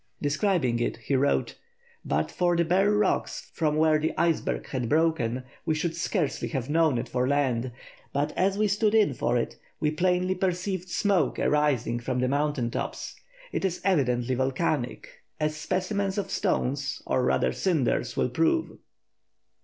Describing it, he wrote: "But for the bare rocks from where the icebergs had broken, we should scarcely have known it for land, but as we stood in for it we plainly perceived smoke arising from the mountain tops. It is evidently volcanic, as specimens of stones, or rather cinders, will prove."